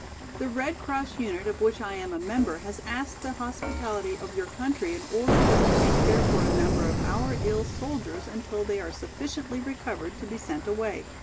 The Red Cross unit of which I am a member has asked the hospitality of your country in order that we may care for a number of our ill soldiers until they are sufficiently recovered to be sent away.